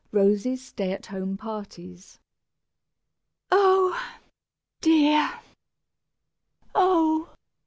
ROSY'S STAY AT HOME PARTIES. "Oh! dear, oh!